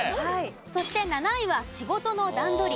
そして７位は仕事の段取り。